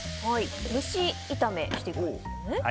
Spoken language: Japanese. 蒸し炒めしていくんですね。